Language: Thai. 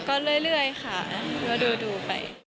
ก็เรื่อยค่ะก็ดูไป